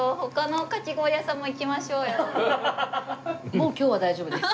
もう今日は大丈夫です。